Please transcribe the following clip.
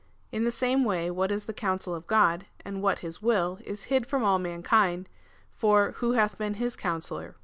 In the same way what is the counsel of God, and what his will, is hid from all mankind, for " who hath been his counsellor?"